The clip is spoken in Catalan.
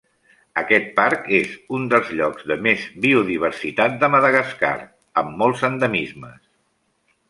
Aquest parc és un dels llocs de més biodiversitat de Madagascar, amb molts endemismes.